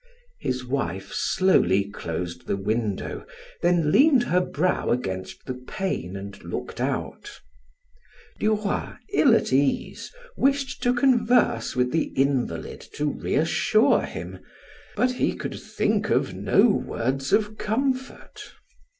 His wife slowly closed the window, then leaned her brow against the pane and looked out. Duroy, ill at ease, wished to converse with the invalid to reassure him, but he could think of no words of comfort.